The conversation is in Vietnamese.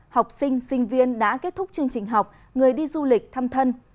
học sinh sinh viên đã kết thúc chương trình học người đi du lịch thăm thân